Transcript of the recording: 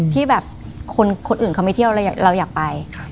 ที่แบบคนอื่นเขาไม่เที่ยวเราอยากไป